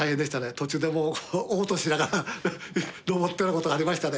途中でもうおう吐しながら登ったようなことありましたね。